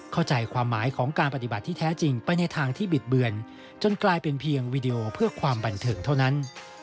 เข้าใจความหมายของการปฏิบัติที่แท้จริงไปในทางที่บิดเบือนจนกลายเป็นเพียงวีดีโอเพื่อความบันเทิงเท่านั้น